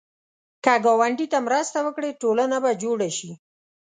که ګاونډي ته مرسته وکړې، ټولنه به جوړه شي